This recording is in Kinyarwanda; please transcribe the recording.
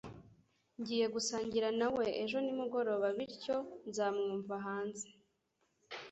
Ngiye gusangira nawe ejo nimugoroba, bityo nzamwumva hanze.